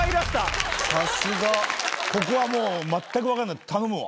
・ここはもう全く分からない頼むわ。